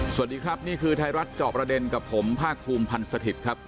สวัสดีครับนี่คือไทยรัฐจอบประเด็นกับผมภาคภูมิพันธ์สถิตย์ครับ